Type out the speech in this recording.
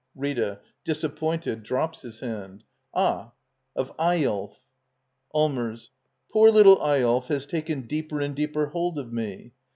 Rita. [Disappointed, drops his hand.] Ah — of Eyolf! Allmers. Poor little Eyolf has taken deeper and deeper hold of me.